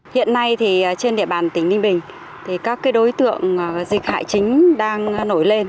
hiện nay thì trên địa bàn tỉnh ninh bình thì các đối tượng dịch hại chính đang nổi lên